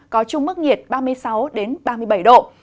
có chung mức nhiệt ba mươi sáu ba mươi bảy độ